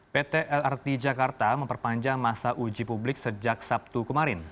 pt lrt jakarta memperpanjang masa uji publik sejak sabtu kemarin